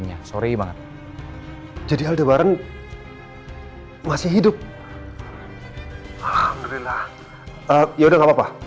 ya udah gak apa apa